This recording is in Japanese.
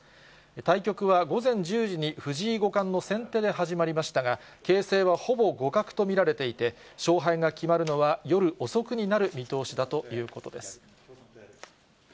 対局は午前１０時に、藤井五冠の先手で始まりましたが、形勢はほぼ互角と見られていて、勝敗が決まるのは夜遅くになる見通しだということです。